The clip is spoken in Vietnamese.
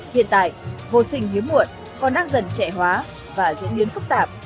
hiện tại vô sinh hiếm muộn còn đang dần trẻ hóa và diễn biến phức tạp